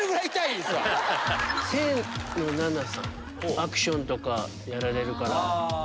アクションとかやられるから。